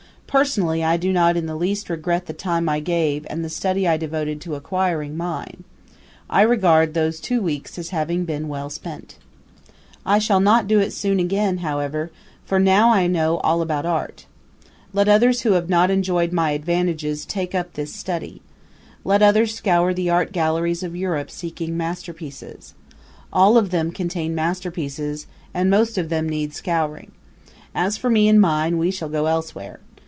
Personally I do not in the least regret the time I gave and the study I devoted to acquiring mine. I regard those two weeks as having been well spent. I shall not do it soon again, however, for now I know all about art. Let others who have not enjoyed my advantages take up this study. Let others scour the art galleries of Europe seeking masterpieces. All of them contain masterpieces and most of them need scouring. As for me and mine, we shall go elsewhere.